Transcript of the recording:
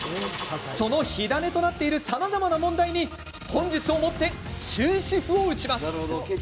その火種となっているさまざまな問題に本日を持って終止符を打ちます。